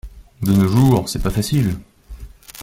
De nos jours, c’est pas facile.